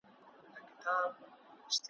د طلا او جواهرو له شامته `